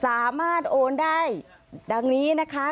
สามารถโอนได้ดังนี้นะคะ